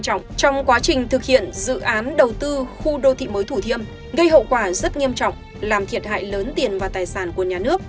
trọng trong quá trình thực hiện dự án đầu tư khu đô thị mới thủ thiêm gây hậu quả rất nghiêm trọng làm thiệt hại lớn tiền và tài sản của nhà nước